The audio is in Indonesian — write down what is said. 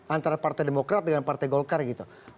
antara partai demokrat dengan partai golkar gitu